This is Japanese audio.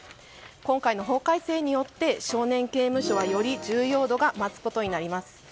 今回の法改正によって少年刑務所はより重要度が増すことになります。